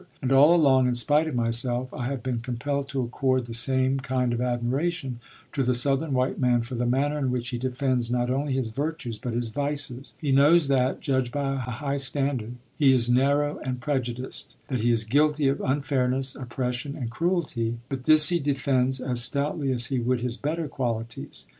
And all along, in spite of myself, I have been compelled to accord the same kind of admiration to the Southern white man for the manner in which he defends not only his virtues, but his vices. He knows that, judged by a high standard, he is narrow and prejudiced, that he is guilty of unfairness, oppression, and cruelty, but this he defends as stoutly as he would his better qualities.